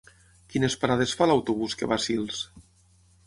Quines parades fa l'autobús que va a Sils?